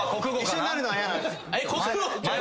一緒になるのは嫌なんです。